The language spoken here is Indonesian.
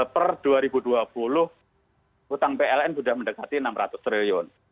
per dua ribu dua puluh utang pln sudah mendekati rp enam ratus triliun